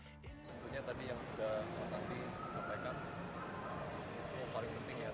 tentunya tadi yang sudah mas andi sampaikan